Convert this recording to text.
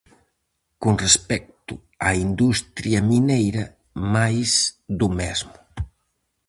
Con respecto á industria mineira, máis do mesmo.